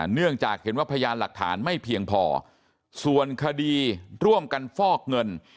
เนื่องจากเห็นว่าพยานหลักฐานไม่เพียงพอส่วนคดีร่วมกันฟอกเงิน